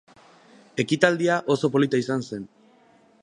Ekitaldia oso polita izan zen.